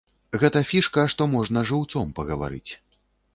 Гэта фішка, што можна жыўцом пагаварыць.